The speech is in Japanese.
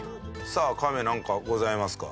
さあカメなんかございますか？